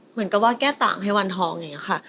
เหมือนกับว่าแก้ต่างให้วันทองอย่างนี้ค่ะ